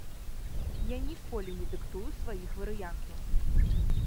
Я ніколі не дыктую сваіх варыянтаў.